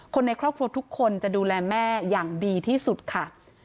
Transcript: คนในครอบครัวทุกคนจะดูแลแม่อย่างดีที่สุดค่ะ